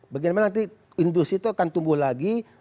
bagaimana nanti industri itu akan tumbuh lagi